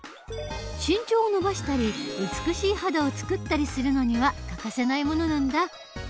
身長を伸ばしたり美しい肌をつくったりするのには欠かせないものなんだ。